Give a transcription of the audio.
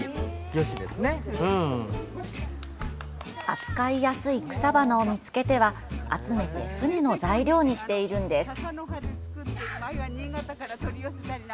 扱いやすい草花を見つけては、集めて舟の材料にしているんです。